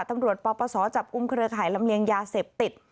ปปศจับกุมเครือข่ายลำเลียงยาเสพติด